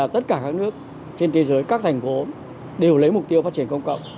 tất cả các nước trên thế giới các thành phố đều lấy mục tiêu phát triển công cộng